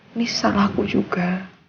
ini salah aku juga